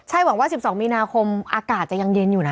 ใช่หวังว่า๑๒มีนาคมอากาศจะยังเย็นอยู่นะ